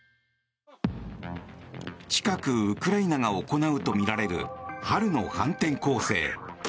近くウクライナが行うとみられる春の反転攻勢。